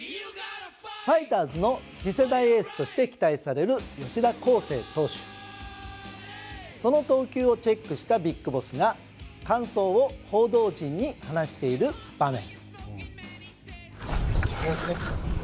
ファイターズの次世代エースとして期待されるその投球をチェックしたＢＩＧＢＯＳＳが感想を報道陣に話している場面